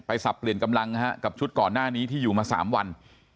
สับเปลี่ยนกำลังกับชุดก่อนหน้านี้ที่อยู่มา๓วัน